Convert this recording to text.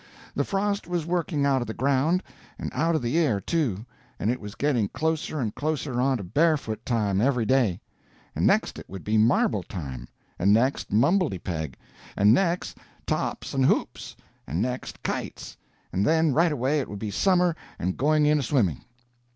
The frost was working out of the ground, and out of the air, too, and it was getting closer and closer onto barefoot time every day; and next it would be marble time, and next mumbletypeg, and next tops and hoops, and next kites, and then right away it would be summer and going in a swimming.